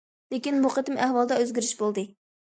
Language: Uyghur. لېكىن، بۇ قېتىم ئەھۋالدا ئۆزگىرىش بولدى.